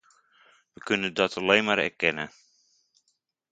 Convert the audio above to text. We kunnen dat alleen maar erkennen.